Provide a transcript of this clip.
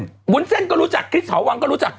วุ้นเส้นรู้จักเขารู้จักคริสเทาวังก็รู้จัก